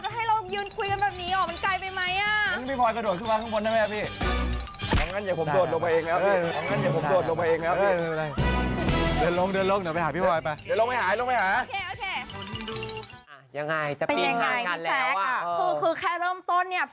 หืมแล้วก็หนักใจความที่ขาจะให้เรายืนคุยกันแบบนี้อ้อ